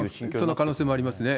その可能性もありますね。